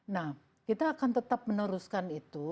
nah kita akan tetap meneruskan itu